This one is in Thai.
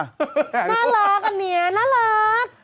น่ารักนี่น่ารัก